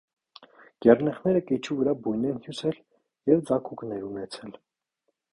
Կեռնեխները կեչու վրա բույն են հյուսել և ձագուկներ ունեցել։